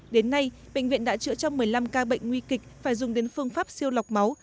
đến nay bệnh viện đã chữa cho một mươi năm ca bệnh nguy kịch phải dùng đến phương pháp siêu lọc máu